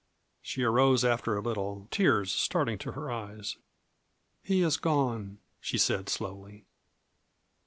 She arose after a little, tears starting to her eyes. "He has gone," she said slowly.